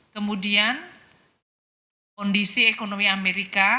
kemudian kondisi ekonomi amerika